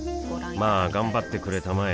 まあ頑張ってくれたまえ